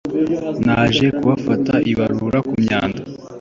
Naje nkabafata ibarura kumyanda